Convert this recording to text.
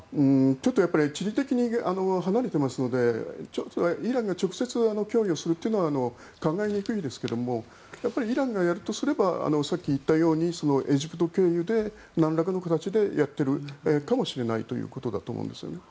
ちょっとやっぱり地理的に離れてますのでイランが直接供与するというのは考えにくいですがやっぱりイランがやるとすればさっき言ったようにエジプト経由でなんらかの形でやっているかもしれないということだと思うんですよね。